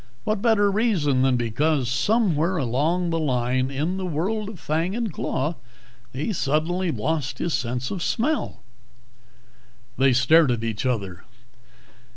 What better reason than because somewhere along the line in the world of fang and claw he suddenly lost his sense of smell?" They stared at each other.